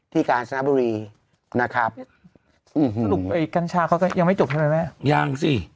กาญจนบุรีนะครับอืมสรุปไอ้กัญชาเขาก็ยังไม่จบใช่ไหมแม่ยังสิ